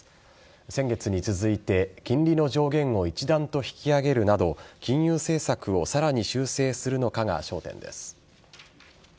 先月に続いて金利の上限を一段と引き上げるなど金融政策をさらに修正するのかが焦点です。